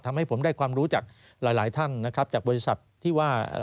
ทำให้ผมได้ความรู้จากหลายหลายท่านนะครับจากบริษัทที่ว่า